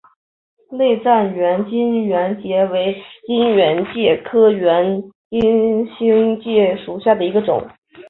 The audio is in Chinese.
内战圆金星介为金星介科圆金星介属下的一个种。